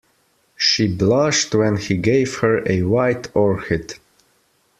She blushed when he gave her a white orchid.